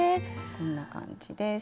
こんな感じです。